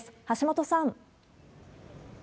橋本さん。